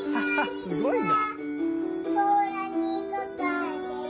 すごいな！